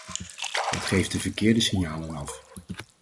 Het geeft de verkeerde signalen af.